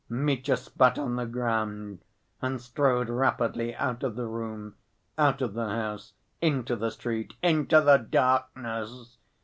Mitya spat on the ground, and strode rapidly out of the room, out of the house, into the street, into the darkness!